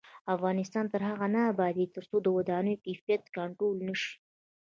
افغانستان تر هغو نه ابادیږي، ترڅو د ودانیو کیفیت کنټرول نشي.